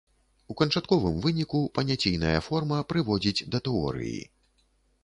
У канчатковым выніку паняційная форма прыводзіць да тэорыі.